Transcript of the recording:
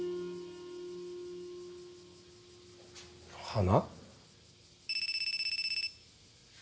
花？